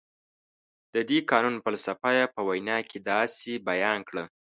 د دې قانون فلسفه یې په وینا کې داسې بیان کړه.